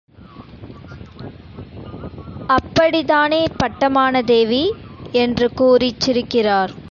அப்படித்தானே பட்டமானதேவி? என்று கூறிச் சிரிக்கிறார்.